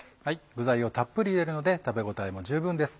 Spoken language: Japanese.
具材をたっぷり入れるので食べ応えも十分です。